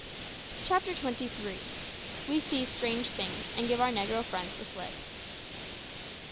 CHAPTER TWENTY THREE. WE SEE STRANGE THINGS, AND GIVE OUR NEGRO FRIENDS THE SLIP.